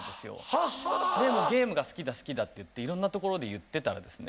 もう「ゲームが好きだ好きだ」って言っていろんなところで言ってたらですね